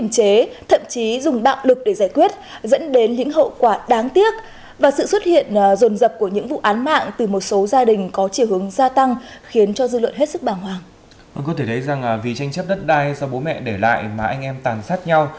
có thể thấy rằng vì tranh chấp đất đai do bố mẹ để lại mà anh em tàn sát nhau